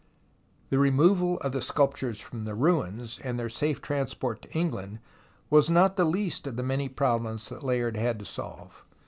The removal of the sculptures from the ruins THE ROMANCE OF EXCAVATION 141 and their safe transport to England, was not the least of the many problems that Layard had to solve.